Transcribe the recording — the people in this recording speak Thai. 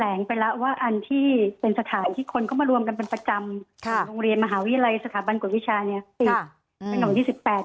ลงไปแล้วว่าอันที่เป็นสถานที่คนเข้ามารวมกันเป็นประจำของโรงเรียนมหาวิทยาลัยสถาบันกฎวิชาเนี่ยปิดถนนยี่สิบแปด